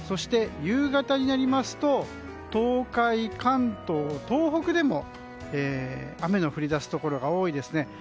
夕方になりますと東海、関東、東北でも雨の降りだすところが多いですね。